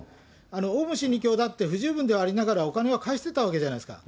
オウム真理教だって、不十分ではありながら、お金は返してたわけじゃないですか。